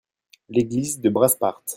l'église de Brasparts.